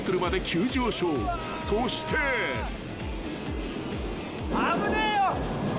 ［そして］危ねえよ！